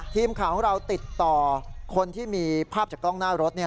ทีมข่าวของเราติดต่อคนที่มีภาพจากกล้องหน้ารถ